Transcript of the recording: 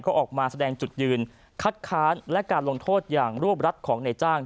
ก็ออกมาแสดงจุดยืนคัดค้านและการลงโทษอย่างรวบรัดของในจ้าง